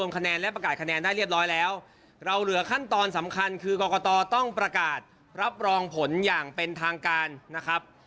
กรกตต้องประกาศรับรองผลอย่างเป็นทางการนะครับ